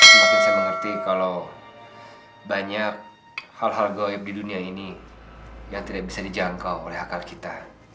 semakin saya mengerti kalau banyak hal hal goib di dunia ini yang tidak bisa dijangkau oleh akal kita